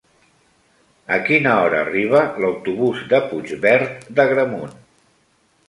A quina hora arriba l'autobús de Puigverd d'Agramunt?